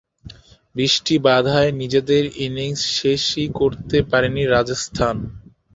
বৃষ্টিবাধায় নিজেদের ইনিংস শেষই করতে পারেনি রাজস্থান।